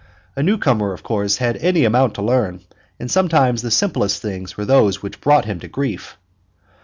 A newcomer, of course, had any amount to learn, and sometimes the simplest things were those which brought him to grief.